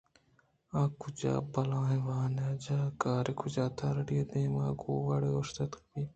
آ کجا ءُبلاہیں واجہ کار کجا؟ اتھارٹی ءِ دیمءَ کوہءِ وڑا اوشتگ نہ بیت